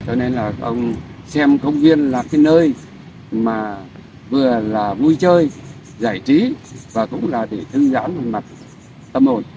cho nên là ông xem công viên là cái nơi mà vừa là vui chơi giải trí và cũng là để thư giãn về mặt tâm hồn